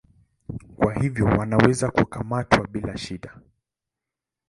Kwa hivyo wanaweza kukamatwa bila shida.